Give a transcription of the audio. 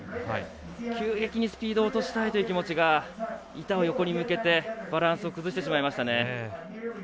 急激にスピードを落としたいという気持ちが板を横に向けてバランスを崩してしまいましたね。